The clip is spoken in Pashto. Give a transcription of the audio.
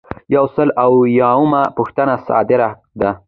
یو سل او اویایمه پوښتنه صادره ده.